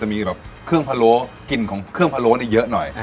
มีแบบเครื่องพะโล้กลิ่นของเครื่องพะโล้เยอะหน่อย